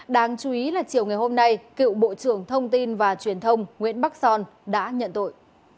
đáng chú ý là chiều ngày hôm nay cựu bộ trưởng thông tin và truyền thông nguyễn bắc son đã nhận tội